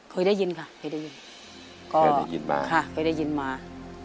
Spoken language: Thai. เคยได้ยินค่ะเคยได้ยินมา